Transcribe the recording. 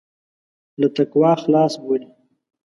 له تقوا خلاص بولي.